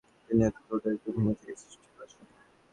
তিনি তোমাদেরকে ভূমি থেকে সৃষ্টি করেছেন।